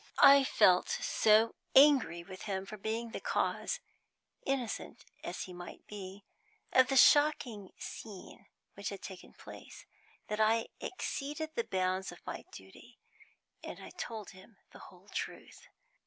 I felt so angry with him for being the cause innocent as he might be of the shocking scene which had taken place, that I exceeded the bounds of my duty, and told him the whole truth.